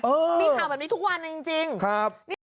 เออนี่ค่ะแบบนี้ทุกวันเนี่ยจริงครับ